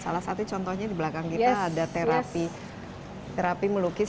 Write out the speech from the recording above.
salah satu contohnya di belakang kita ada terapi melukis